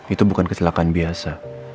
itu bukan kecelakaan biasa